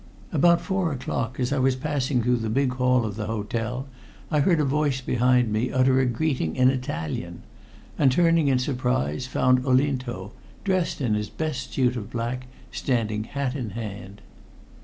About four o'clock, as I was passing through the big hall of the hotel, I heard a voice behind me utter a greeting in Italian, and turning in surprise, found Olinto, dressed in his best suit of black, standing hat in hand.